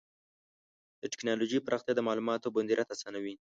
د ټکنالوجۍ پراختیا د معلوماتو مدیریت آسانوي.